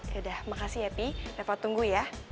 ya udah makasih ya pih reva tunggu ya